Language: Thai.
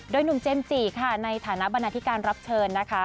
โดยหนุ่มเจมส์จีค่ะในฐานะบรรณาธิการรับเชิญนะคะ